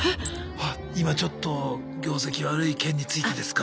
「今ちょっと業績悪い件についてですか？」